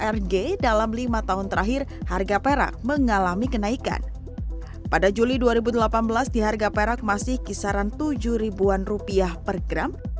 pada tahun dua ribu delapan belas perak masih berharga di harga perak masih kisaran tujuh ribuan rupiah per gram